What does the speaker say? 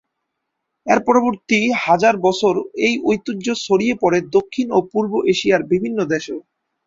এর পরবর্তী হাজার বছর এই ঐতিহ্য ছড়িয়ে পড়ে দক্ষিণ ও পূর্ব এশিয়ার বিভিন্ন দেশে।